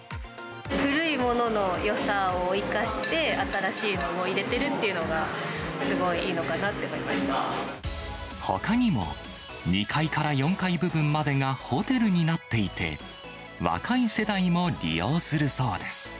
古いもののよさを生かして、新しいものを入れてるっていうのが、すごいいいのかなって思いまほかにも、２階から４階部分までがホテルになっていて、若い世代も利用するそうです。